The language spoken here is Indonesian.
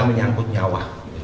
karena menyangkut nyawa